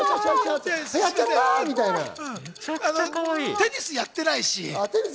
テニスやってないし。